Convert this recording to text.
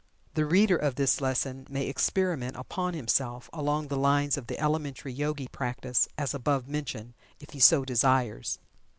The reader of this lesson may experiment upon himself along the lines of the elementary Yogi practice as above mentioned, if he so desires.